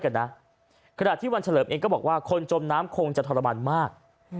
กันนะขณะที่วันเฉลิมเองก็บอกว่าคนจมน้ำคงจะทรมานมาก